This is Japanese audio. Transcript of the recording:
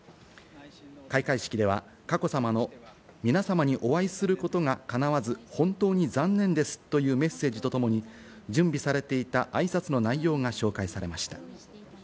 開会式では佳子さまの皆さまにお会いすることがかなわず、本当に残念ですというメッセージとともに準備されていた、あいさつの内容が紹介されました。